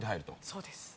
そうです。